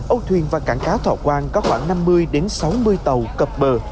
âu thuyền và cảng cá thọ quang có khoảng năm mươi sáu mươi tàu cập bờ